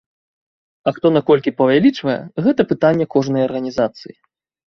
А хто на колькі павялічвае, гэта пытанне кожнай арганізацыі.